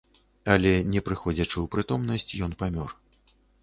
Але не прыходзячы ў прытомнасць ён памёр.